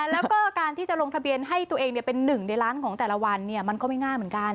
แล้วก็การที่จะลงทะเบียนให้ตัวเองเป็นหนึ่งในล้านของแต่ละวันมันก็ไม่ง่ายเหมือนกัน